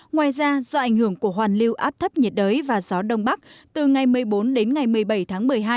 ngoài ra do ảnh hưởng của hoàn lưu áp thấp nhiệt đới và gió đông bắc từ ngày một mươi bốn đến ngày một mươi bảy tháng một mươi hai